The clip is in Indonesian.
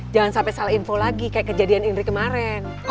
jangan sampe salah info lagi kayak kejadian indri kemaren